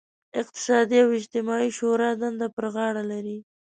اقتصادي او اجتماعي شورا دنده پر غاړه لري.